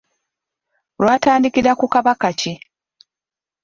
Lwatandikira ku Kabaka ki?